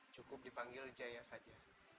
cukup dipanggil wijaya saja